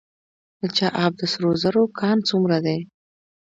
د چاه اب د سرو زرو کان څومره دی؟